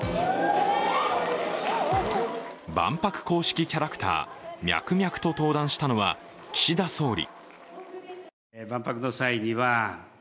万博公式キャラクターミャクミャクと登壇したのは岸田総理。